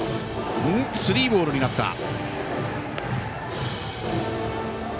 スリーボールになった。